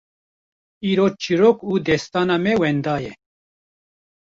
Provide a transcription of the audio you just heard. Îro çîrok û destana me wenda ye!